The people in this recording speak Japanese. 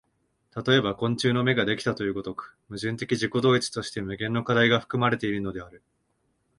例えば昆虫の眼ができたという如く、矛盾的自己同一として無限の課題が含まれているのである。